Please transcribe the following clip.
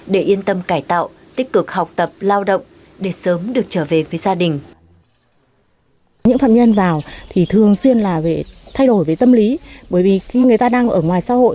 để yên tâm cải tạo tích cực học tập lao động để sớm được trở về với gia đình